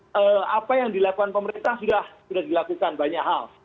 dan apa yang dilakukan pemerintah sudah dilakukan banyak hal